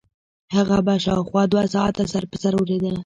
هغه به شاوخوا دوه ساعته سر په سر اورېده.